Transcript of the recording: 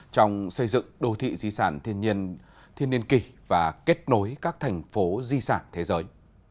trong xây dựng đô thị di sản thiên nhiên thiên niên kỳ và kết nối các thành phố di sản thế giới